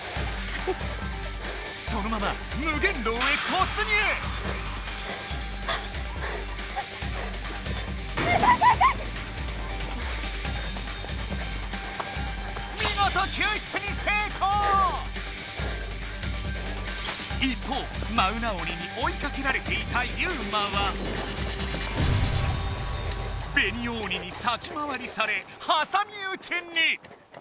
そのまま見事一方マウナ鬼においかけられていたユウマはベニオ鬼に先回りされはさみうちに！